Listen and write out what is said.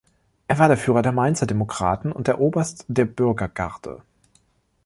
Er war der Führer der Mainzer Demokraten und Oberst der Bürgergarde.